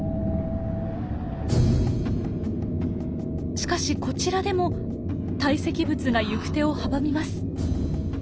しかしこちらでも堆積物が行く手を阻みます。